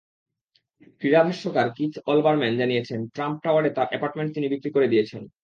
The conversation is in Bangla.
ক্রীড়া ভাষ্যকার কিথ অলবারম্যান জানিয়েছেন, ট্রাম্প টাওয়ারে তাঁর অ্যাপার্টমেন্ট তিনি বিক্রি করে দিয়েছেন।